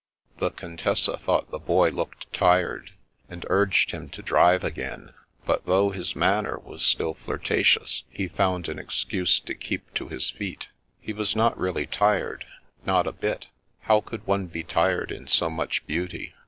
The Contessa thought the Boy looked tired, and urged him to drive again, but though his manner was still flirtatious he found an excuse to keep to his feet. He was not really tired, not a bit ; how could one be tired in so much beauty?